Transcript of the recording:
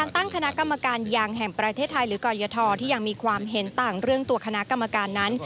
ตั้งคณะกรรมการยางแห่งประเทศไทยหรือกรยทที่ยังมีความเห็นต่างเรื่องตัวคณะกรรมการนั้น